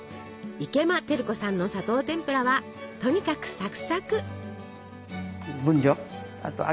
池間照子さんの砂糖てんぷらはとにかくサクサク。